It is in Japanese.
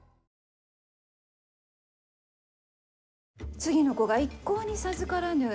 次の子が一向に授からぬ。